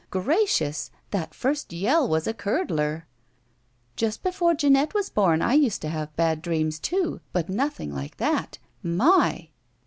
Gracious! That first yell was a curdler!" Just before Jeanette was bom I used to have bad dreams, too, but nothing like that. My!"